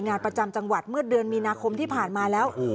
งานประจำจังหวัดเมื่อเดือนมีนาคมที่ผ่านมาแล้ว